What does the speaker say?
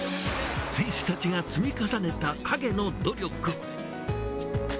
選手たちが積み重ねた陰の努力。